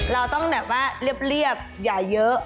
เราต้องแบบว่าเรียบอย่าเยอะ